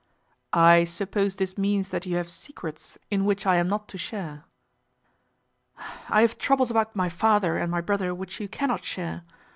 "I suppose this means that you have secrets in which I am not to share." "I have troubles about my father and my brother which you cannot share.